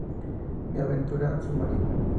Mi aventura submarina.